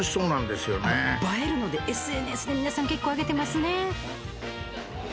映えるのでＳＮＳで皆さん結構上げてますね。